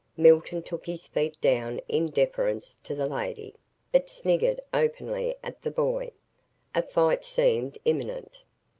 Milton took his feet down in deference to the lady, but snickered openly at the boy. A fight seemed imminent.